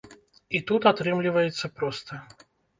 І тут атрымліваецца проста.